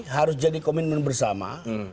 harus jadi komitmen bersama